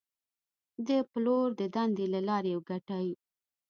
د پلور د دندې له لارې وګټئ.